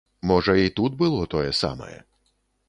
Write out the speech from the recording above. Можа, і тут было тое самае.